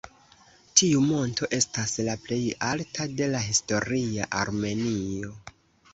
Tiu monto estas la plej alta de la historia Armenio.